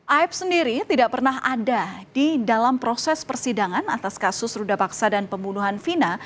aep sendiri tidak pernah ada di dalam proses persidangan atas kasus ruda paksa dan pembunuhan vina